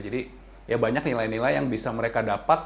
jadi ya banyak nilai nilai yang bisa mereka dapat